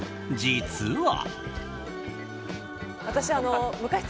実は。